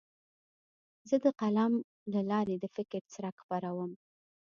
زه د خپل قلم له لارې د فکر څرک خپروم.